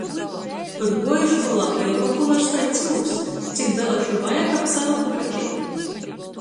Kod guoju školā, beja populars taids jūks - cik belašu vajag, kab salyktu kačeiti.